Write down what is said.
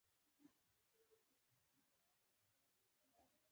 پیاز د چټني خوند لوړوي